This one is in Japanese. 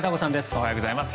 おはようございます。